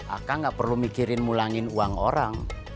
aka gak perlu mikirin mulangin uang orang